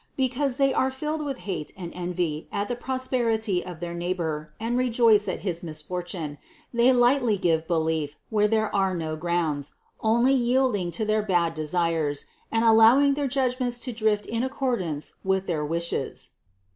Because they are filled with hate and envy at the prosperity of their neighbor, and rejoice at his misfortune, they lightly give belief, where there are no grounds, only yielding to their bad desires, and allowing their judgments to drift in ac cordance with their wishes.